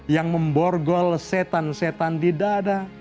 yang memborgol setan setan di dada